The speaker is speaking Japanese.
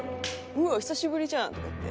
「うわっ久しぶりじゃん」とか言って。